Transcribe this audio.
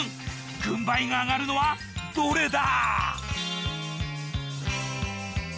軍配が上がるのはどれだ！